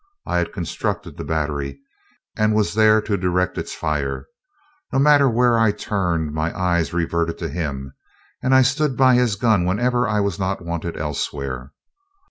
I had constructed the battery, and was there to direct its fire. No matter where I turned, my eyes reverted to him, and I stood by his gun whenever I was not wanted elsewhere.